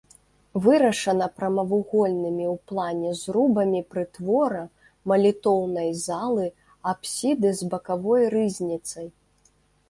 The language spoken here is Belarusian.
Вырашана прамавугольнымі ў плане зрубамі прытвора, малітоўнай залы, апсіды з бакавой рызніцай.